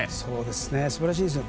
すばらしいですね。